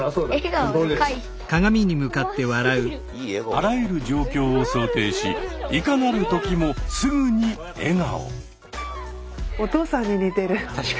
あらゆる状況を想定しいかなる時もすぐに笑顔。